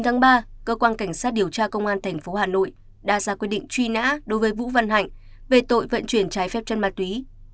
ngày ba cơ quan cảnh sát điều tra công an tp hà nội đã ra quyết định truy nã đối với vũ văn hạnh về tội vận chuyển trái phép chân ma túy